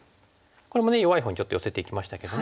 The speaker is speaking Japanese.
これもね弱いほうにちょっと寄せていきましたけども。